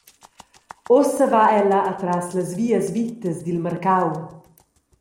Ussa va ella atras las vias vitas dil marcau.